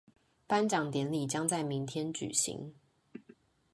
頒獎典禮將在明天舉行